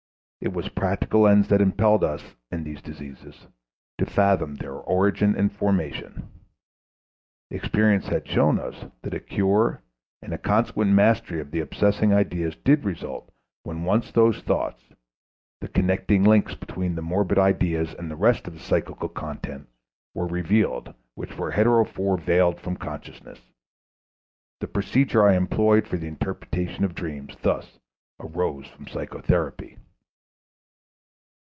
It was practical ends that impelled us, in these diseases, to fathom their origin and formation. Experience had shown us that a cure and a consequent mastery of the obsessing ideas did result when once those thoughts, the connecting links between the morbid ideas and the rest of the psychical content, were revealed which were heretofore veiled from consciousness. The procedure I employed for the interpretation of dreams thus arose from psychotherapy.